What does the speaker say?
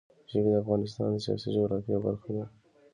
ژبې د افغانستان د سیاسي جغرافیه برخه ده.